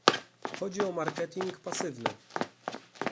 chodzi o marketing pasywny